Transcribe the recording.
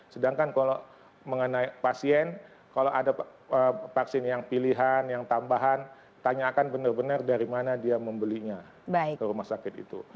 sedangkan kalau mengenai pasien kalau ada vaksin yang pilihan yang tambahan tanyakan benar benar dari mana dia membelinya ke rumah sakit itu